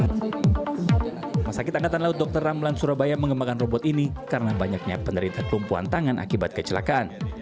rumah sakit angkatan laut dr ramlan surabaya mengembangkan robot ini karena banyaknya penderita kelumpuhan tangan akibat kecelakaan